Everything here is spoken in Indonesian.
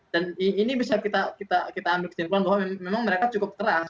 dan ini bisa kita ambil kesimpulan bahwa memang mereka cukup keras